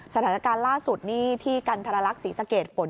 สถานการณ์ล่าสุดนี่ที่กันทรลักษณ์ศรีสะเกดฝน